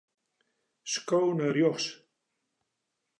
Sko nei rjochts.